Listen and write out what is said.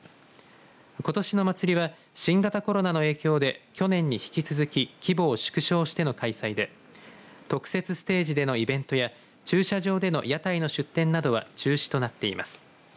ことしの祭りは新型コロナの影響で去年に引き続き規模を縮小しての開催で特設ステージでのイベントや駐車場での屋台の出店などは中止となっています。